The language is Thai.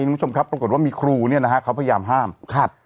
คุณผู้ชมครับปรากฏว่ามีครูเนี่ยนะฮะเขาพยายามห้ามครับ